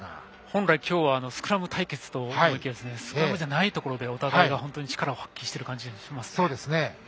本来、今日はスクラム対決と思いきやスクラムじゃないところでお互いが本当に力を発揮している感じがしますね。